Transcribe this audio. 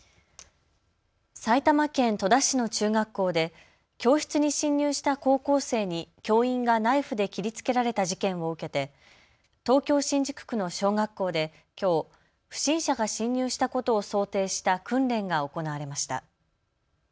埼玉県戸田市の中学校で教室に侵入した高校生に教員がナイフで切りつけられた事件を受けて東京新宿区の小学校できょう不審者が侵入したことを想定した訓練が行われました。